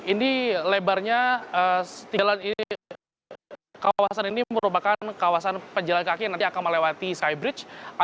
ini lebarnya jalan ini kawasan ini merupakan kawasan penjalan kaki yang nanti akan melewati skybridge